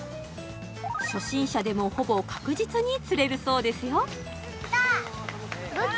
初心者でもほぼ確実に釣れるそうですよ釣った！